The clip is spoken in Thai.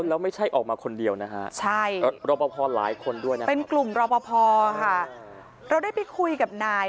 แล้วไม่ใช่ออกมาคนเดียวนะคะ